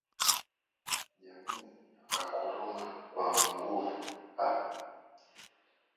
Jamaa akakoroma kwa nguvu akianguka chini